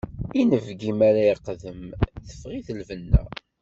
Inebgi mi ara iqdem, teffeɣ-it lbenna.